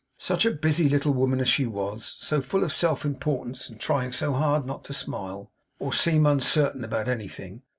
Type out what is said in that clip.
Such a busy little woman as she was! So full of self importance and trying so hard not to smile, or seem uncertain about anything!